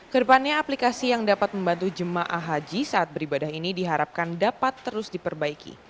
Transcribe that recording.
kedepannya aplikasi yang dapat membantu jemaah haji saat beribadah ini diharapkan dapat terus diperbaiki